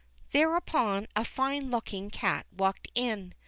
Thereupon a fine looking cat walked in.